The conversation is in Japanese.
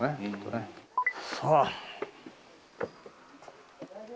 さあ。